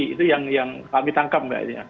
itu yang kami tangkap